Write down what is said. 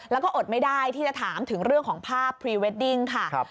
แล้วก็อดไม่ได้ที่จะถามถึงเรื่องของภาพพรีเวดดิ้งค่ะ